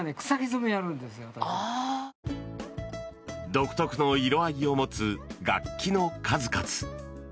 独特の色合いを持つ楽器の数々。